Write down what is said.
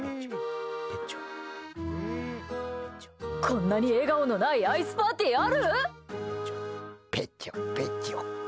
こんなに笑顔のないアイスパーティー、ある？